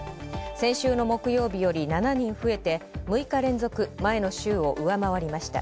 先週の木曜日より７人増えて、６日連続、前の週を上回りました。